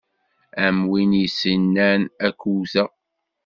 Am win i s-yennan ar k-wwteɣ.